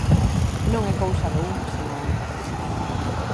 Non é cousa do un sen o outro.